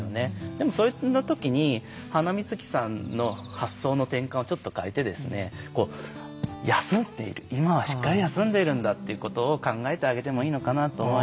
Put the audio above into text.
でもその時にハナミズキさんの発想の転換をちょっと変えてですね休んでいる今はしっかり休んでいるんだっていうことを考えてあげてもいいのかなと思います。